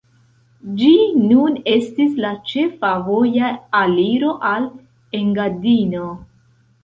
Ĝi nun estis la ĉefa voja aliro al Engadino.